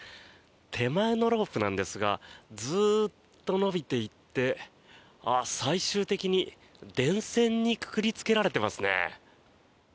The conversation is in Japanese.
手前のロープなんですがずっと延びていって最終的に電線にくくりつけられていますね。